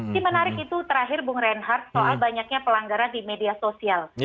ini menarik itu terakhir bung reinhardt soal banyaknya pelanggaran di media sosial